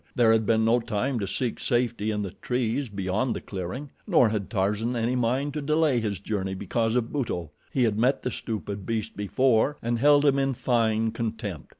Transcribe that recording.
There had been no time to seek safety in the trees beyond the clearing, nor had Tarzan any mind to delay his journey because of Buto. He had met the stupid beast before and held him in fine contempt.